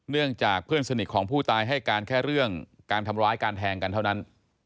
เนื่องจากเพื่อนสนิทของผู้ตายให้การแค่เรื่องการทำร้ายการแทงกันเท่านั้น